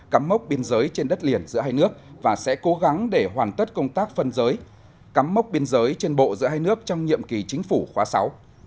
cắm mốc biên giới trên đất liền giữa hai nước và sẽ cố gắng để hoàn tất công tác phân giới cắm mốc biên giới trên bộ giữa hai nước trong nhiệm kỳ chính phủ khóa sáu